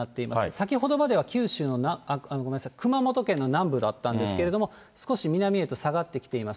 先ほどまでは熊本県の南部だったんですけど、少し南へと下がってきています。